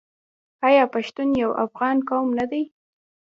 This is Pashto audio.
آیا پښتون یو افغان قوم نه دی؟